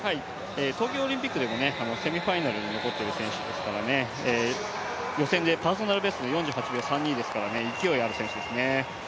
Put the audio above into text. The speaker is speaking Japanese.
東京オリンピックでもセミファイナルに残っている選手ですから予選でパーソナルベストで４８秒３２ですから勢いある選手ですね。